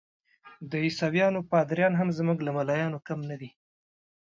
د عیسویانو پادریان هم زموږ له ملایانو کم نه دي.